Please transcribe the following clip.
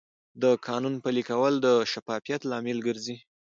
د قانون پلي کول د شفافیت لامل ګرځي.